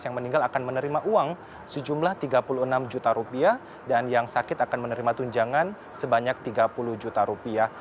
yang meninggal akan menerima uang sejumlah tiga puluh enam juta rupiah dan yang sakit akan menerima tunjangan sebanyak tiga puluh juta rupiah